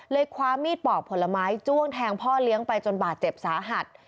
คว้ามีดปอกผลไม้จ้วงแทงพ่อเลี้ยงไปจนบาดเจ็บสาหัส